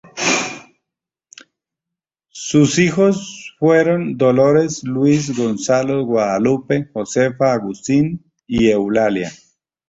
Sus hijos fueron Dolores, Luis, Gonzalo, Guadalupe, Josefa, Agustín, and Eulalia.